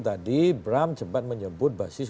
tadi bram cepat menyebut basis